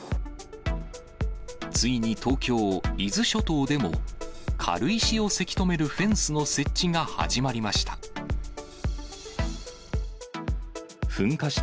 ついに東京・伊豆諸島でも、軽石をせき止めるフェンスの設置が始まりました。